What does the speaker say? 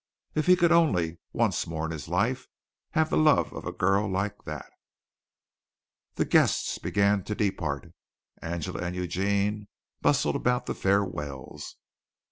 If he could only, once more in his life, have the love of a girl like that! The guests began to depart. Angela and Eugene bustled about the farewells.